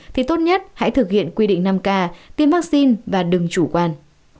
thì tốt nhất hãy thực hiện quy định năm k tiêm vaccine và đừng chủ quan